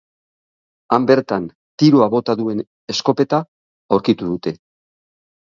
Han bertan tiroa bota duen eskopeta aurkitu dute.